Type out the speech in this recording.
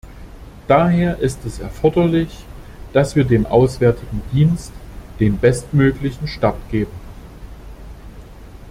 Daher ist es erforderlich, dass wir dem Auswärtigen Dienst den bestmöglichen Start geben.